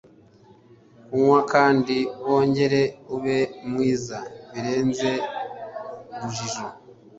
Kunywa kandi wongere ube mwiza birenze urujijo.